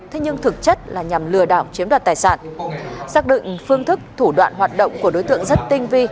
thế nhưng thực chất là nhằm lừa đảo chiếm đoạt tài sản